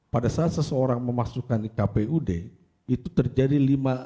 pada saat seseorang memasukkan di kpud itu terjadi lima